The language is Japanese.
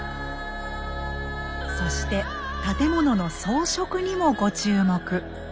そして建物の装飾にもご注目。